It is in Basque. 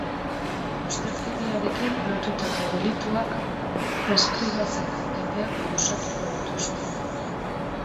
Ustelkeriarekin lotutako delituak preskribatzeko epeak luzatuko dituzte.